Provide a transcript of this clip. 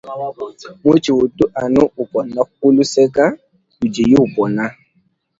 Mutshi utu anu upona kuluseke ludiye upona.